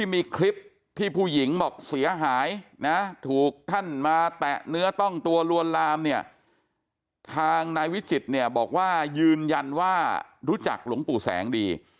เมื่อต้องตัวลวนลามเนี่ยทางนายวิจิตรเนี่ยบอกว่ายืนยันว่ารู้จักหลวงปู่แสงดี